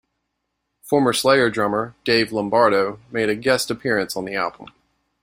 Former Slayer drummer Dave Lombardo made a guest appearance on the album.